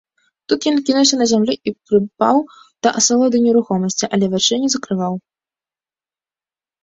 Тут ён кінуўся на зямлю і прыпаў да асалоды нерухомасці, але вачэй не закрываў.